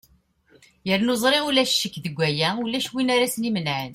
yernu ẓriɣ ulac ccek deg waya ulac win ara s-imenɛen